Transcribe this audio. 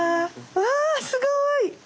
うわすごい！